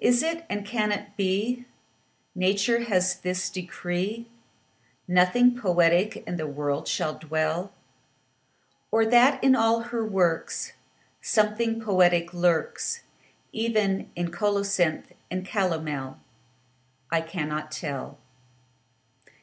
Is it, and can it be, Nature hath this decree, Nothing poetic in the world shall dwell? Or that in all her works Something poetic lurks, Even in colocynth and calomel? I cannot tell.